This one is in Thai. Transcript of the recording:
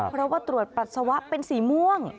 เพราะว่าตรวจปัสสาวะเป็นสีม่วง